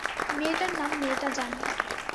মেয়েটার নাম মেয়েটা জানে।